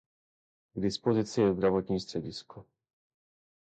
K dispozici je zdravotní středisko.